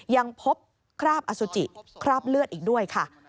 ยังพบคราบอสุจิคราบเลือดอีกด้วยค่ะ